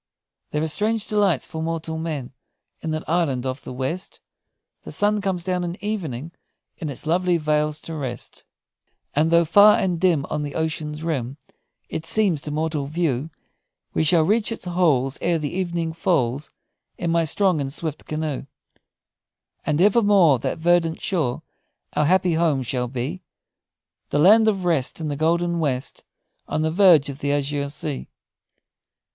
"There are strange delights for mortal men in that island of the west; The sun comes down each evening in its lovely vales to rest; And though far and dim On the ocean's rim It seems to mortal view, We shall reach its halls Ere the evening falls, In my strong and swift canoe; And evermore That verdant shore Our happy home shall be; The land of rest, In the golden west, On the verge of the azure sea!